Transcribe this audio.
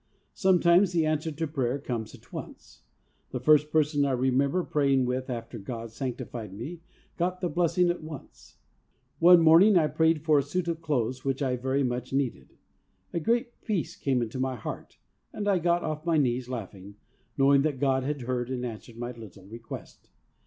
Sometimes the answer to prayer comes at once. The first person I remember praying with after God sanctified me got the blessing at once. One morning I prayed for a suit of clothes which I very much needed. A great peace came into my heart, and I got off my knees laughing, knowing that God had heard and answered my little request.